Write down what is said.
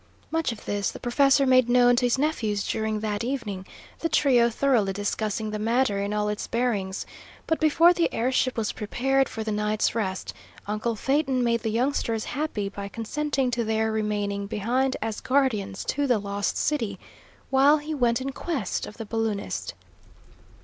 Much of this the professor made known to his nephews during that evening, the trio thoroughly discussing the matter in all its bearings, but before the air ship was prepared for the night's rest, uncle Phaeton made the youngsters happy by consenting to their remaining behind as guardians to the Lost City, while he went in quest of the balloonist.